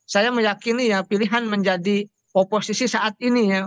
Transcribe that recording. saya meyakini ya pilihan menjadi oposisi saat ini ya